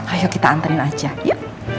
ayo kita anterin aja yuk